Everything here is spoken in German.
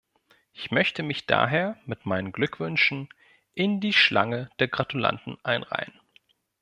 Ich möchte mich daher mit meinen Glückwünschen in die Schlange der Gratulanten einreihen.